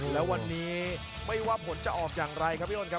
แล้ววันนี้ไม่ว่าผลจะออกอย่างไรครับพี่อ้นครับ